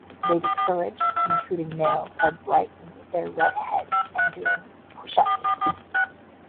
They discourage intruding males by brightening their red heads and doing "push-ups".